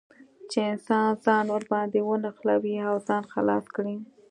چې انسان ځان ور باندې ونښلوي او ځان خلاص کړي.